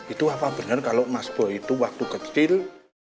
itu apa bener kalau mas boy waktu itu kecil